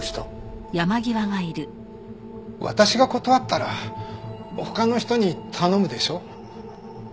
私が断ったら他の人に頼むでしょ。